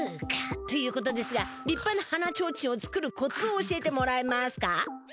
「くか」ということですがりっぱなはなちょうちんを作るコツを教えてもらえますか？